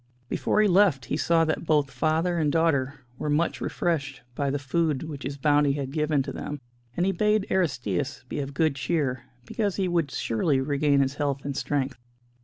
Before he left, he saw that both father and daughter were much refreshed by the food which his bounty had given to them, and he bade Aristćus be of good cheer, because he would surely regain his health and strength.